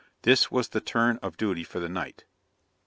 This was the turn of duty for the night.